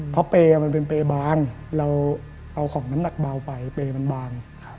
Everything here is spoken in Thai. เพราะเปรย์มันเป็นเปรย์บางเราเอาของน้ำหนักเบาไปเปรย์มันบาง